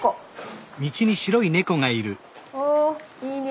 おいいねえ。